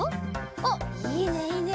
おっいいねいいね！